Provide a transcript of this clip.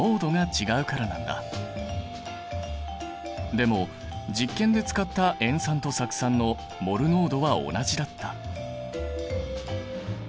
でも実験で使った塩酸と酢酸のモル濃度は同じだった。